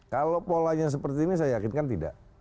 kalau polanya seperti ini saya yakin kan tidak